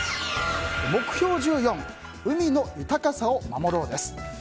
目標１４「海の豊かさを守ろう」です。